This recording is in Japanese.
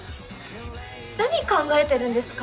何考えてるんですか？